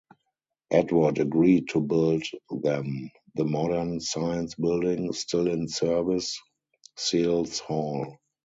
Edward agreed to build them the modern science building, still in service, Searles Hall.